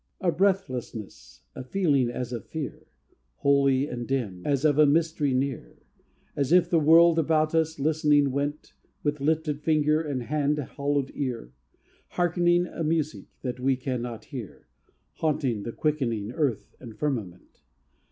A breathlessness, a feeling as of fear, Holy and dim, as of a mystery near, As if the World, about us, listening went, With lifted finger and hand hollowed ear, Harkening a music, that we can not hear, Haunting the quickening earth and firmament.